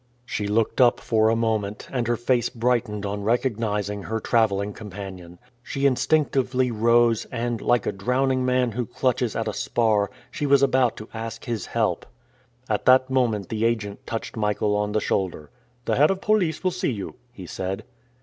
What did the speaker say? She looked up for a moment and her face brightened on recognizing her traveling companion. She instinctively rose and, like a drowning man who clutches at a spar, she was about to ask his help. At that moment the agent touched Michael on the shoulder, "The head of police will see you," he said.